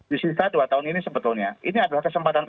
di sisa dua tahun ini sebetulnya ini adalah kesempatan